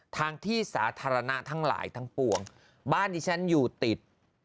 ทางที่สาธารณะทั้งหลายทั้งปวงบ้านที่ฉันอยู่ติด